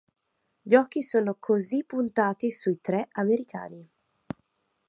Gli occhi sono così puntati sui tre americani.